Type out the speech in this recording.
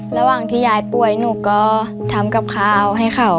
ระหว่างที่ยายป่วยหนูก็ทำกับข้าวให้เขา